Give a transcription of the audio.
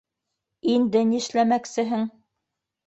Инде нишләмәксеһең?